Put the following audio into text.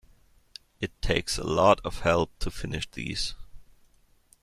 It takes a lot of help to finish these.